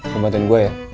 kebantuin gue ya